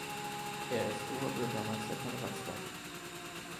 Er ist Oberbürgermeister von Rastatt.